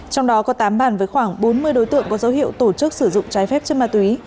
trong đó có tám bàn với khoảng bốn mươi đối tượng có dấu hiệu tổ chức sử dụng trái phép chất ma túy